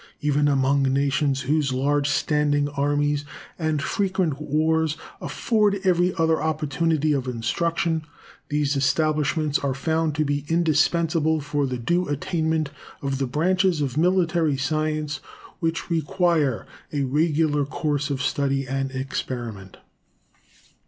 Even among nations whose large standing armies and frequent wars afford every other opportunity of instruction these establishments are found to be indispensable for the due attainment of the branches of military science which require a regular course of study and experiment.